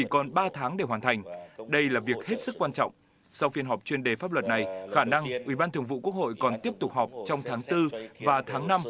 khả năng ubnd còn tiếp tục họp trong tháng bốn và tháng năm